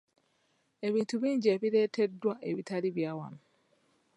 Ebintu bingi ebireeteddwa ebitali bya wano.